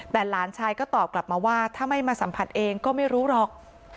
แต่หลานชายก็ตอบกลับมาว่าถ้าไม่มาสัมผัสเองก็ไม่รู้หรอก